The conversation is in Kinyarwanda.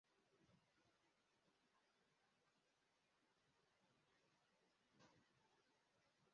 Abantu bamwe bahagarara hafi yinkingi kuri bisi cyangwa gari ya moshi